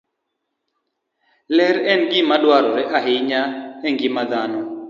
Ler en gima dwarore ahinya e ngima dhano.